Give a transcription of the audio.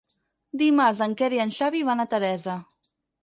Dimarts en Quer i en Xavi van a Teresa.